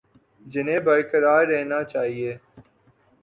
جنہیں برقرار رہنا چاہیے